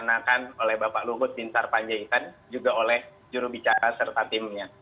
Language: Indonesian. dan apa yang sedang diwacarakan oleh bapak luhut pinsar panjaitan juga oleh jurubicara serta timnya